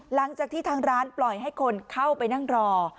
หลังจากที่ทางร้านปล่อยให้คนเข้าไปนั่งรอ